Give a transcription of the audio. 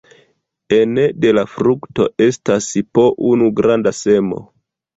Ene de la frukto estas po unu granda semo.